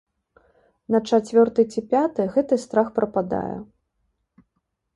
На чацвёрты ці пяты гэты страх прападае.